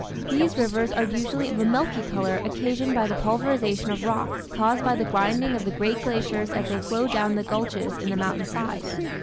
These rivers are usually of a milky color occasioned by the pulverization of rock caused by the grinding of the great glaciers as they flow down the gulches in the mountain side.